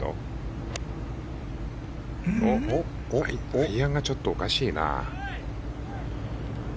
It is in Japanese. アイアンがちょっとおかしいな。